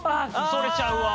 それちゃうわ。